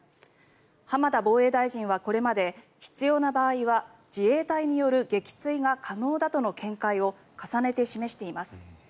浜田防衛大臣はこれまで必要な場合は自衛隊による撃墜が可能だとの見解を重ねて示しています。